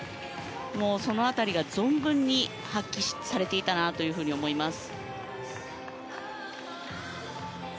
その辺りが存分に発揮されていたなと思います。